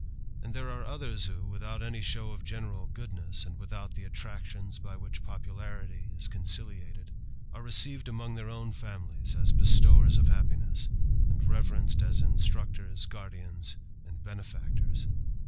And there are others who, without any show of general goodness, and without the attractions by which popularity is conciliated, ar« received among their own families as bestowers of liappiness, and reverenced as instmctors, guardians, and benefactors.